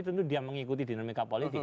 tentu dia mengikuti dinamika politik